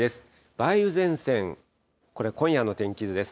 梅雨前線、これ、今夜の天気図です。